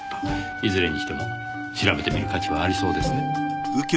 いずれにしても調べてみる価値はありそうですね。